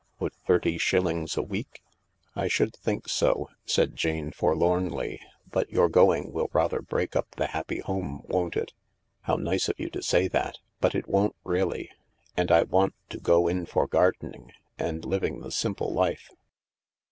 Would thirty shillings a week —"" I should think so," said Jane forlornly ;" but your going will rather break up the happy home, won't it ?" u How nice of you to say that I But it won't really. And I want to go in for gardening, and living the simple life."